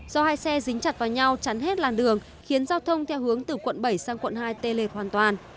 do hai xe dính chặt vào nhau chắn hết làn đường khiến giao thông theo hướng từ quận bảy sang quận hai tê liệt hoàn toàn